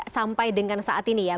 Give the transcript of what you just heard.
sampai dengan saat ini ya